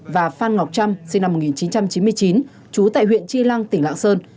và phan ngọc trăm sinh năm một nghìn chín trăm chín mươi chín chú tại huyện tri lăng tỉnh lạng sơn